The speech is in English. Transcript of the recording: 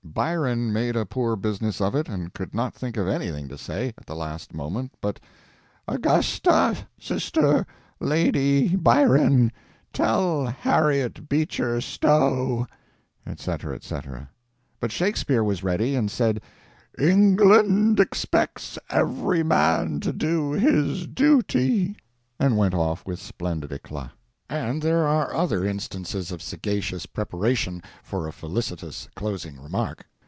Byron made a poor business of it, and could not think of anything to say, at the last moment but, "Augusta sister Lady Byron tell Harriet Beecher Stowe" etc., etc., but Shakespeare was ready and said, "England expects every man to do his duty!" and went off with splendid eclat. And there are other instances of sagacious preparation for a felicitous closing remark.